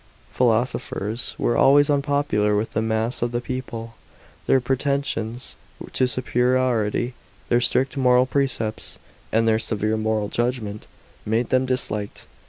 § 14. Philosophers were always unpopular with the mass of the people. Their pretentions to superiority, their strict moral precepts, and their severe moral judgments made them disliked.